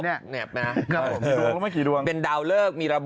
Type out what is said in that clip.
ดำเนินคดีต่อไปนั่นเองครับ